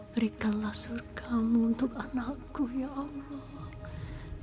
berikanlah surga mu untuk anakku ya allah